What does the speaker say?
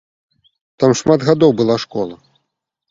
Там шмат гадоў была школа.